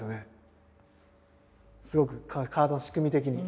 すごく体の仕組み的に。